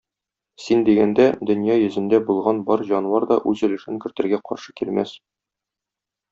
Син дигәндә, дөнья йөзендә булган бар җанвар да үз өлешен кертергә каршы килмәс.